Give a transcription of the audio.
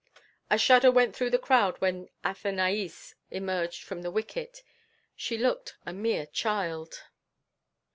A shudder went through the crowd when Athenaïs emerged from the wicket. She looked a mere child.